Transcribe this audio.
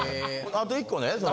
あと１個！